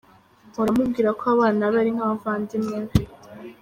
Mpora mubwira ko abana be ari nk’abavandimwe be.